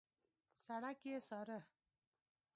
سړک يې څاره.